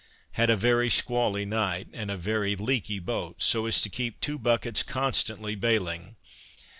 Had a very squally night, and a very leaky boat, so as to keep two buckets constantly bailing.